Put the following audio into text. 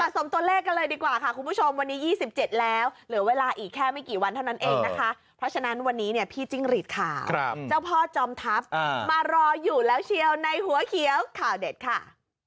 สมตัวเลขกันเลยดีกว่าค่ะคุณผู้ชมวันนี้๒๗แล้วเหลือเวลาอีกแค่ไม่กี่วันเท่านั้นเองนะคะเพราะฉะนั้นวันนี้เนี่ยพี่จิ้งหรีดค่ะเจ้าพ่อจอมทัพมารออยู่แล้วเชียวในหัวเขียวข่าวเด็ดค่ะ